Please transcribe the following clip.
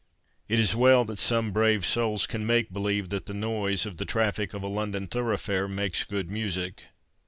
It is well that some brave souls can make believe that the noise of the traffic of a London thoroughfare makes good music